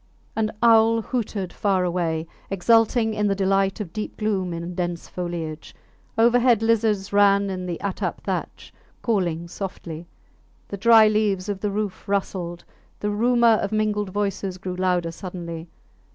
An owl hooted far away, exulting in the delight of deep gloom in dense foliage; overhead lizards ran in the attap thatch, calling softly; the dry leaves of the roof rustled; the rumour of mingled voices grew louder suddenly.